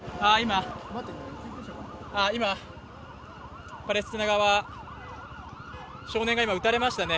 今パレスチナ側少年が今撃たれましたね